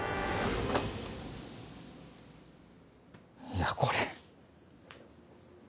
いやこれ。